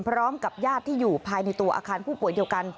พร้อมกับญาติที่อยู่ภายในตัวอาคารผู้ป่วยเดียวกัน